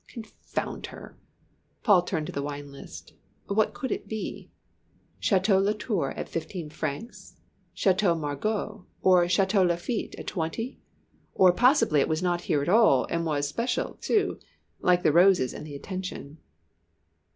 Confound her! Paul turned to the wine list. What could it be? Château Latour at fifteen francs? Château Margaux, or Château Lafite at twenty? or possibly it was not here at all, and was special, too like the roses and the attention.